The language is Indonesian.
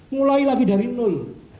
mulai lagi dari nul